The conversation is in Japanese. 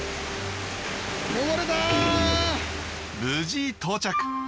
無事到着。